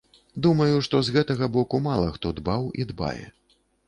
Думаю, што з гэтага боку мала хто дбаў і дбае.